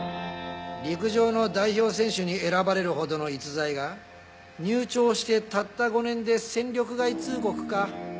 陸上の代表選手に選ばれるほどの逸材が入庁してたった５年で戦力外通告か。